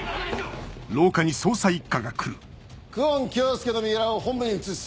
久遠京介の身柄を本部に移す。